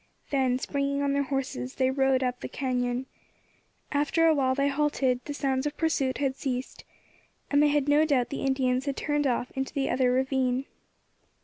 Then, springing on their horses, they rode up the cañon. After a while they halted; the sounds of pursuit had ceased, and they had no doubt the Indians had turned off into the other ravine.